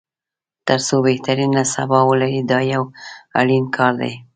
تر څو بهترینه سبا ولري دا یو اړین کار دی.